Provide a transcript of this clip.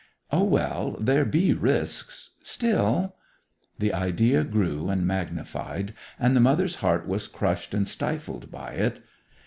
'O, well, there be risks. Still ...' The idea grew and magnified, and the mother's heart was crushed and stifled by it.